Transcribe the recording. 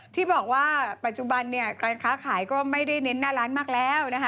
ที่บอกว่าปัจจุบันเนี่ยการค้าขายก็ไม่ได้เน้นหน้าร้านมากแล้วนะคะ